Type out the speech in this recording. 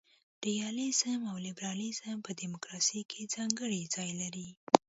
ریالیزم او لیبرالیزم په دموکراسي کي ځانګړی ځای لري.